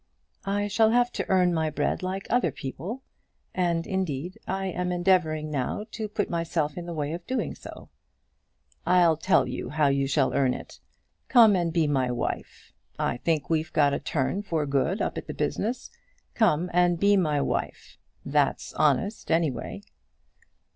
"I shall have to earn my bread like other people; and, indeed, I am endeavouring now to put myself in the way of doing so." "I'll tell you how you shall earn it. Come and be my wife. I think we've got a turn for good up at the business. Come and be my wife. That's honest, any way."